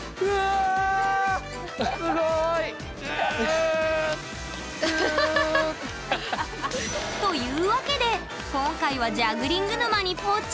すごい！うう！うう！というわけで今回は「ジャグリング沼」にポチャ！